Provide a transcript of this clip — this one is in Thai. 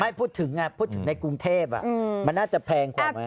ไม่พูดถึงพูดถึงในกรุงเทพมันน่าจะแพงกว่าไหม